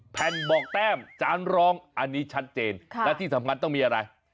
แผ่นบอกแต้มจานร้องอันนี้ชัดเจนและที่สำคัญต้องมีอะไร